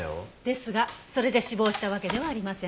ですがそれで死亡したわけではありません。